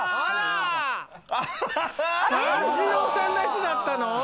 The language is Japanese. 三四郎さんたちだったの？